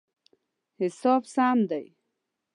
حساب سم دی